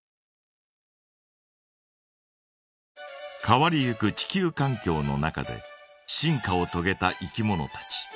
変わりゆく地球かん境の中で進化をとげたいきものたち。